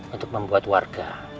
untuk membuat warga